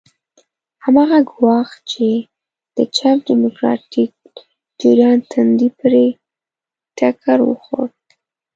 هماغه ګواښ چې د چپ ډیموکراتیک جریان تندی پرې ټکر وخوړ.